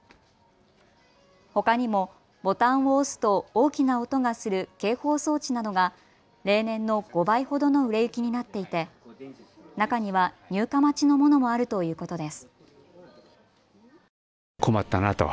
ほかにもボタンを押すと大きな音がする警報装置などが例年の５倍ほどの売れ行きになっていて中には入荷待ちのものもあるということです。